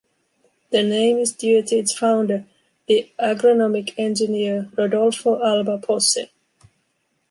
The name is due to its founder, the agronomic engineer Rodolfo Alba Posse.